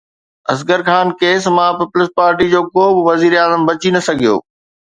اصغر خان ڪيس مان پيپلز پارٽي جو ڪو به وزيراعظم بچي نه سگهيو.